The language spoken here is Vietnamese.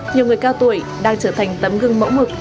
nhiều người cao tuổi đang trở thành tấm gương mẫu mực